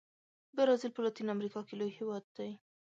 برازیل په لاتین امریکا کې لوی هېواد دی.